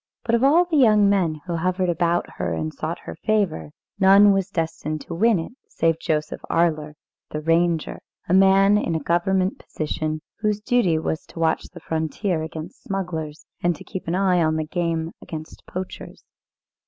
But of all the young men who hovered about her, and sought her favour, none was destined to win it save Joseph Arler, the ranger, a man in a government position, whose duty was to watch the frontier against smugglers, and to keep an eye on the game against poachers.